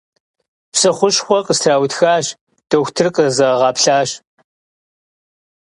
Псы хущхъуэ къыстраутхащ, дохутыр къызагъэплъащ.